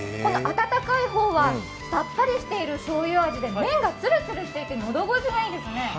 温かい方はさっぱりしているしょうゆ味で麺がつるつるしていて喉越しがいいですね。